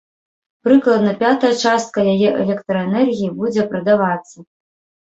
Прыкладна пятая частка яе электраэнергіі будзе прадавацца.